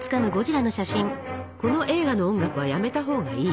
この映画の音楽はやめたほうがいい。